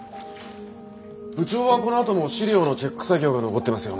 部長はこのあとも資料のチェック作業が残ってますよね。